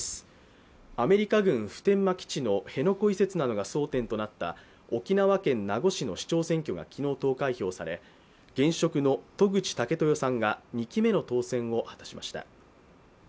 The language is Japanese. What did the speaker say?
アメリカ軍普天間基地の辺野古移設などが争点となった沖縄県名護市の市長選挙が昨日投開票され現職の渡具知武豊さんが２期目の当選を果たしました。